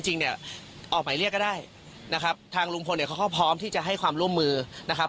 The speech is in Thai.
จริงเนี่ยออกหมายเรียกก็ได้นะครับทางลุงพลเนี่ยเขาก็พร้อมที่จะให้ความร่วมมือนะครับ